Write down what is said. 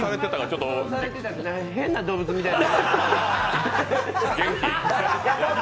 変な動物みたいに。